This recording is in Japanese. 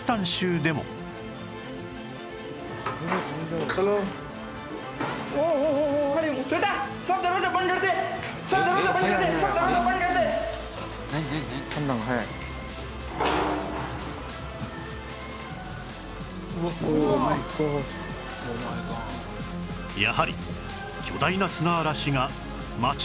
やはり巨大な砂嵐が街を襲った